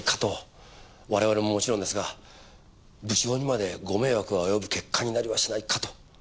我々ももちろんですが部長にまでご迷惑がおよぶ結果になりはしないかと。